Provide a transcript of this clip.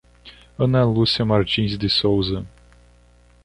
Ana Lucia Martins de Souza